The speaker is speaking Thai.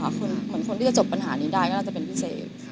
เหมือนคนที่จะจบปัญหานี้ได้ก็น่าจะเป็นพิเศษ